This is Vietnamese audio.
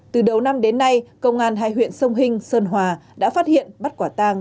từ đầu năm đến nay công an hai huyện sông hình sơn hòa đã phát hiện bắt quả tàng